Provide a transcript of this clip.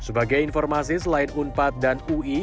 sebagai informasi selain unpad dan ui